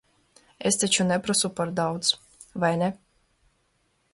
Es taču neprasu par daudz, vai ne?